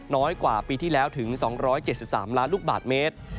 น้อยกว่าปีที่แล้วถึง๒๗๓ล้านลูกบาทเมตร